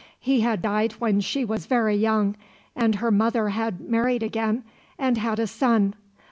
He had died when she was very young, and her mother had married again, and had a son.